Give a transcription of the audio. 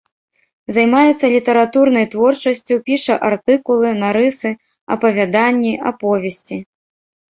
Займаецца літаратурнай творчасцю, піша артыкулы, нарысы, апавяданні, аповесці.